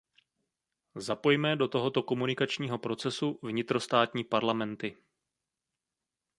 Zapojme do tohoto komunikačního procesu vnitrostátní parlamenty.